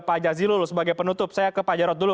pak jazilul sebagai penutup saya ke pak jarod dulu